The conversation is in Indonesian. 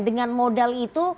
dengan modal itu